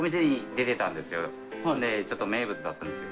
でちょっと名物だったんですよ。